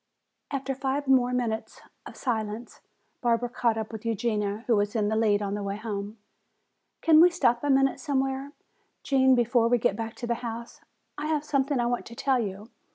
After five minutes more of silence Barbara caught up with Eugenia, who was in the lead on the way home. "Can we stop a minute somewhere, Gene, before we get back to the house? I have something I want to tell you.